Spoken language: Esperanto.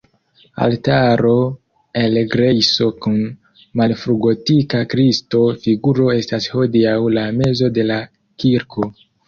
Altaro el grejso kun malfrugotika Kristo-figuro estas hodiaŭ la mezo de la kirko.